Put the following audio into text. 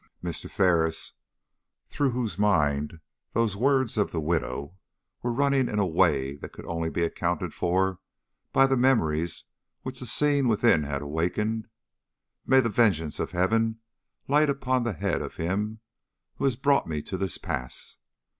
Mr. Ferris, through whose mind those old words of the widow were running in a way that could only be accounted for by the memories which the scene within had awakened "May the vengeance of Heaven light upon the head of him who has brought me to this pass!